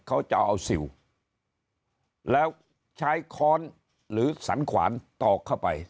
เขาจะเอาซิลแล้วใช้ค้อนหรือสันขวานตอกเข้าไป